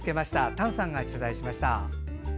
丹さんが取材しました。